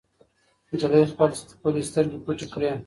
نجلۍ خپلې سترګې پټې کړې.